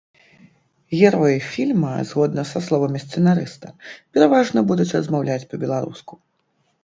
Героі фільма, згодна са словамі сцэнарыста, пераважна будуць размаўляць па-беларуску.